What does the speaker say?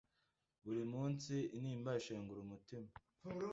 buri munsi intimba inshengura umutima?